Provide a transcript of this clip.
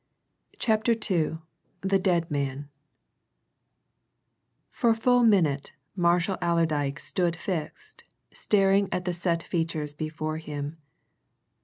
CHAPTER II THE DEAD MAN For a full minute Marshall Allerdyke stood fixed staring at the set features before him.